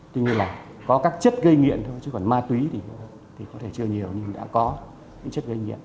tuy nhiên là có các chất gây nghiện thôi chứ còn ma túy thì có thể chưa nhiều nhưng đã có những chất gây nghiện